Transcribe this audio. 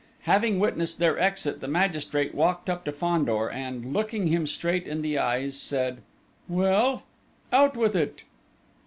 Having witnessed their exit, the magistrate walked up to Fandor, and looking him straight in the eyes said: "Well!... Out with it!"